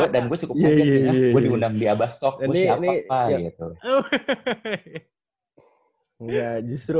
dan gue cukup puasnya gue diundang di abah sok gue siapa apa gitu